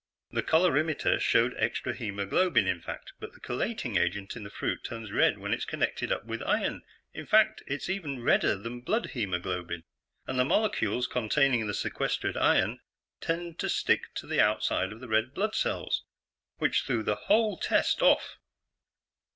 "The colorimeter showed extra hemoglobin, in fact. But the chelating agent in the fruit turns red when it's connected up with iron in fact, it's even redder than blood hemoglobin. And the molecules containing the sequestered iron tend to stick to the outside of the red blood cells, which threw the whole test off."